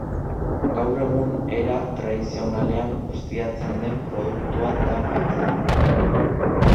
Gaur egun era tradizionalean ustiatzen den produktua da gatza.